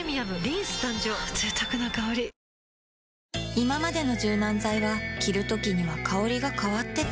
いままでの柔軟剤は着るときには香りが変わってた